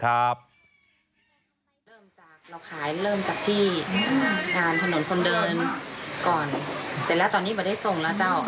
เริ่มจากเราขายเริ่มจากที่งานถนนคนเดินก่อนเสร็จแล้วตอนนี้ไม่ได้ส่งแล้วเจ้า